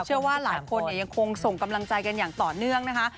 เชื่อว่าหลายคนยังคงส่งกำลังใจกันอย่างต่อเนื่องนะคะ